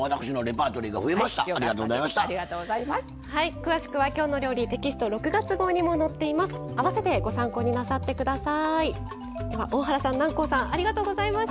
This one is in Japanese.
詳しくは「きょうの料理」テキスト６月号にも載っています。